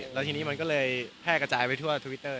แล้วทีนี้มันก็เลยแพร่กระจายไปทั่วทวิตเตอร์